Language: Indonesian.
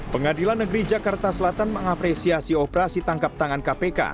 pengadilan negeri jakarta selatan mengapresiasi operasi tangkap tangan kpk